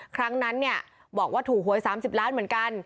ครั้งนั้นเนี่ยบอกว่าถูกหวย๓๐ล้านเหมือนกัน